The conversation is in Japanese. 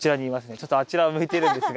ちょっとあちらを向いているんですが。